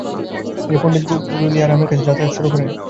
তিনি পণ্ডিত রুলিয়া রামের কাছে যাতায়াত শুরু করেন ।